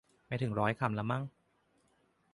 ไม่ถึงร้อยคำละมั้ง